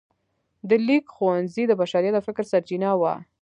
د لیک ښوونځی د بشریت د فکر سرچینه وه.